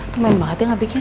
lumayan banget ya gak bikin